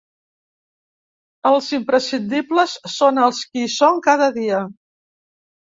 Els imprescindibles són els qui hi són cada dia!